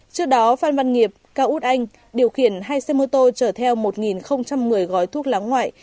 trước đó phan văn nghiệp cao út anh điều khiển hai xe mô tô chở theo một một mươi gói thuốc lá ngoại